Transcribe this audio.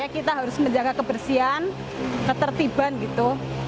kita harus menjaga kebersihan ketertiban gitu